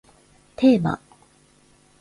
テーマ